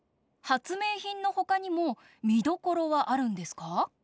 はつめいひんのほかにもみどころはあるんですか？